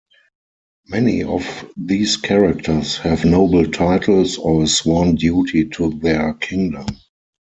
Many of these characters have noble titles, or a sworn duty to their kingdom.